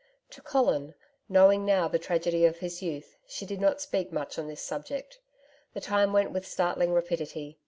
] To Colin, knowing now the tragedy of his youth, she did not speak much on this subject. The time went with startling rapidity.